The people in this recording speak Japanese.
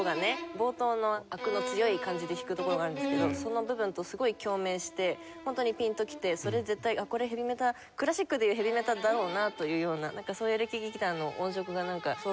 冒頭のアクの強い感じで弾くところがあるんですけどその部分とすごい共鳴してホントにピンときてそれで絶対これヘヴィメタクラシックでいうヘヴィメタだろうなというようなそういうエレキギターの音色がなんか想像できたので。